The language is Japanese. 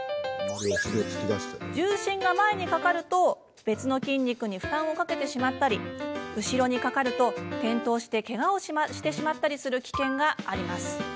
重心が前にかかると、別の筋肉に負担をかけてしまったり後ろにかかると転倒してけがをしてしまったりする危険があります。